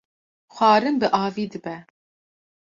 xwarin bi avî dibe